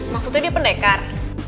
maksudnya dia pendekar